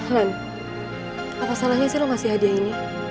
lan apa salahnya sih lo ngasih hadiah ini